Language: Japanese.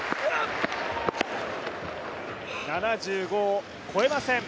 ７５を越えません。